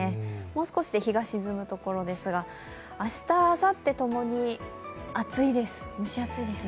もう少しで日が沈むところですが、明日、あさってともに蒸し暑いです